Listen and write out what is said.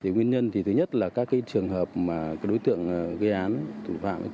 nguyên nhân thứ nhất là các trường hợp đối tượng gây án thủ phạm